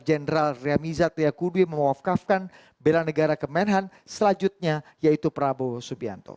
general remiza tia kudwi mewafkafkan bela negara kemenhan selanjutnya yaitu prabowo subianto